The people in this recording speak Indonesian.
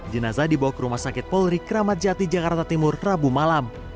jenazah dibawa ke rumah sakit polri kramat jati jakarta timur rabu malam